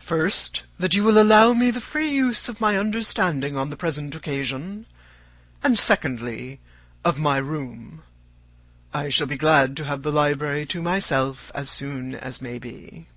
First, that you will allow me the free use of my understanding on the present occasion; and, secondly, of my room. I shall be glad to have the library to myself as soon as may be."